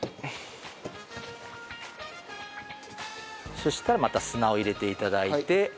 そしたらまた砂を入れて頂いて。